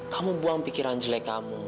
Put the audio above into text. kamu buang pikiran jelek kamu